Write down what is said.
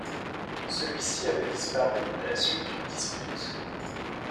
Celui-ci avait disparu à la suite d'une dispute.